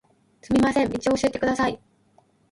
すみません、道を教えてください。